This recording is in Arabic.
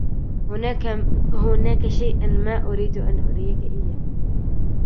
هناك شيئاً ما أريد أن ُأريكَ إياه.